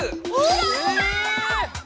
やった！え！